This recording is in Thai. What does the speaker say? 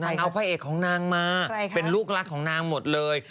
นางเอาพระเอกของนางมาเป็นลูกรักของนางหมดเลย